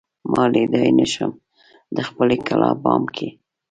ملا ليدای نه شم دخپلې کلا بام کې